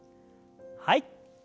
はい。